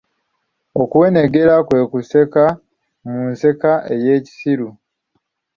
Okuweneggera kwe kuseka mu nseka eye kisiru.